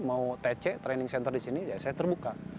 mau tc training center di sini saya terbuka